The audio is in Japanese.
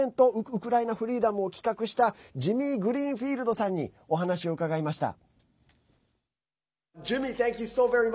ウクライナフリーダムを企画したジミー・グリーンフィールドさんにお話を伺いました。